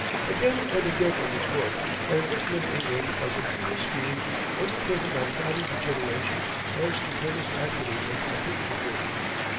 Again and again in this book I have written of England as a feudal scheme overtaken by fatty degeneration and stupendous accidents of hypertrophy.